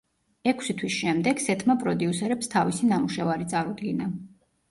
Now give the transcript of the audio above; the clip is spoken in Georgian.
ექვსი თვის შემდეგ სეთმა პროდიუსერებს თავისი ნამუშევარი წარუდგინა.